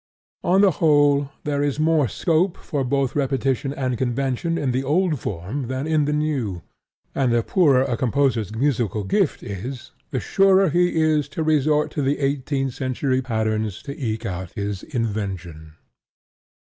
On the whole, there is more scope for both repetition and convention in the old form than in the new; and the poorer a composer's musical gift is, the surer he is to resort to the eighteenth century patterns to eke out his invention.